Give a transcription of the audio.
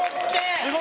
すごい！